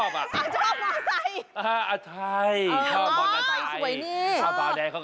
มันชอบ